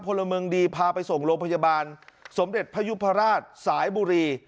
พลเมืองดีพาไปส่งโรงพยาบาลสมเด็จพยุพราชสายบุรี